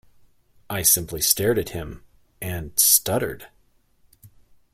I simply stared at him and stuttered.